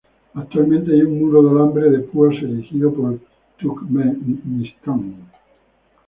Actualmente hay un muro de alambre de púas erigido por Turkmenistán.